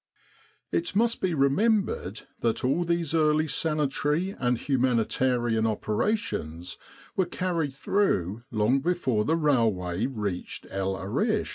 It must be remembered that all these early sani tary and. humanitarian operations were carried through long before the railway reached El Arish.